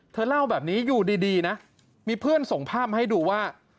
เธอเล่าแบบนี้อยู่ดีนะมีเพื่อนส่งภาพมาให้ดูว่า